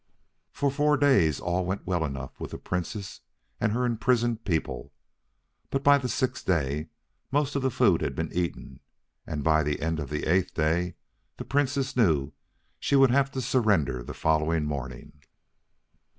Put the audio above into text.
For four days all went well enough with the Princess and her imprisoned people; but by the sixth day most of the food had been eaten; and by the end of the eighth day, the Princess knew she would have to surrender the following morning.